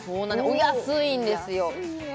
お安いんですよ安いね